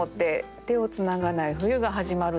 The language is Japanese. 「手をつながない冬がはじまる」って。